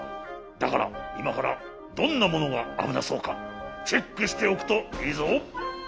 だからいまからどんなものがあぶなそうかチェックしておくといいぞ！